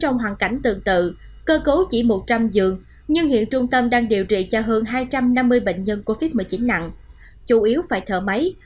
nhưng hiện trung tâm đang điều trị cho hơn hai trăm năm mươi bệnh nhân covid một mươi chín nặng chủ yếu phải thở máy